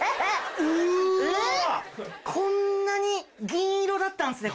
こんなに銀色だったんすね